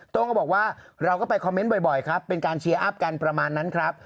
้งก็บอกว่าเราก็ไปคอมเมนต์บ่อยครับเป็นการเชียร์อัพกันประมาณนั้นครับ